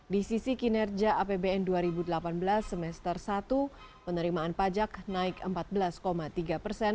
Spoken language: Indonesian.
di sisi kinerja apbn dua ribu delapan belas semester satu penerimaan pajak naik empat belas tiga persen